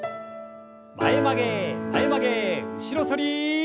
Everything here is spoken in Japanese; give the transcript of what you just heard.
前曲げ前曲げ後ろ反り。